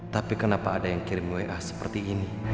tapi kenapa ada yang kirim wa seperti ini